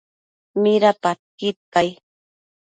Midapadquid cai?